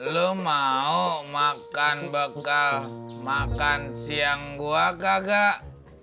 lu mau makan bekal makan siang gua kagak